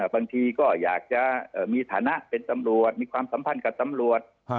บางทีก็อยากจะมีฐานะเป็นตำรวจมีความสัมพันธ์กับตำรวจ